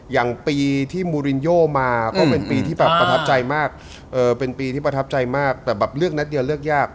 อย่างปีที่มูรินโยมาก็เป็นปีที่แบบประทับใจมากเป็นปีที่ประทับใจมากแต่แบบเลือกนัดเดียวเลือกยาก